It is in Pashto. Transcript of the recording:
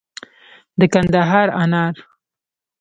د کندهار انار